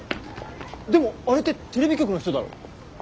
でもあれってテレビ局の人だろ？